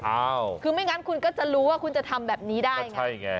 อ้าวคือไม่งั้นคุณก็จะรู้ว่าคุณจะทำแบบนี้ได้ไงใช่ไง